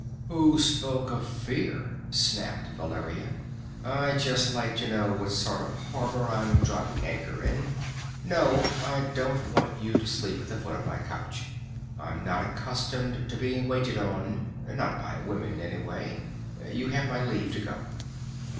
"Who spoke of fear?" snapped Valeria. "I just like to know what sort of harbor I'm dropping anchor in. No, I don't want you to sleep at the foot of my couch. I'm not accustomed to being waited on not by women, anyway. You have my leave to go."